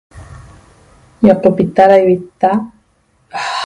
Ñocopita da invita